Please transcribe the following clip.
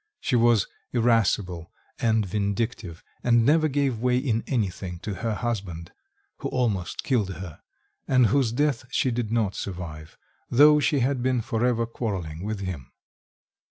She was irascible and vindictive, and never gave way in anything to her husband, who almost killed her, and whose death she did not survive, though she had been for ever quarrelling with him.